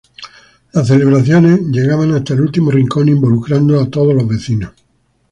Las celebraciones llegaban hasta el último rincón involucrando a todos los vecinos.